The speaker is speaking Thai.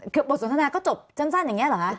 คือบทสนทนาก็จบสั้นอย่างนี้เหรอคะ